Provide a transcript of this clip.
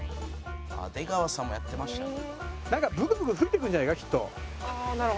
「出川さんもやってましたね」